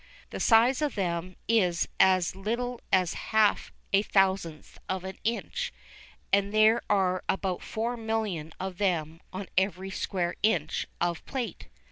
The size of them is as little as a half a thousandth of an inch and there are about four millions of them on every square inch of plate.